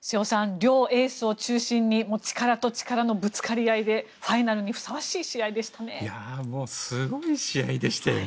両エースを中心に力と力のぶつかり合いでファイナルにふさわしい試合でしたね。